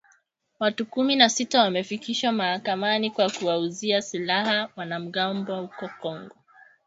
Watu kumi na sita wamefikishwa mahakamani kwa kuwauzia silaha wanamgambo huko Kongo